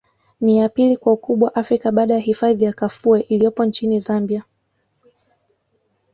Ni ya pili kwa ukubwa Afrika baada ya hifadhi ya Kafue iliyopo nchini Zambia